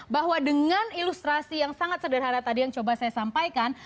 bahwa dengan ilustrasi yang sangat sederhana tadi yang coba saya sampaikan